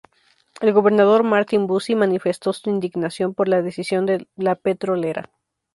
El gobernador Martín Buzzi manifestó su indignación por la decisión de la petrolera.